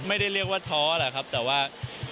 ไม่ได้เรียกว่าท้อแหละครับแต่ว่า